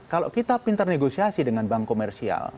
kalau kita pintar negosiasi dengan bank komersial